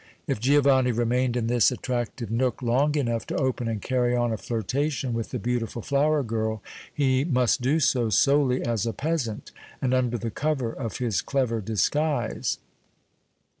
If Giovanni remained in this attractive nook long enough to open and carry on a flirtation with the beautiful flower girl, he must do so solely as a peasant and under the cover of his clever disguise.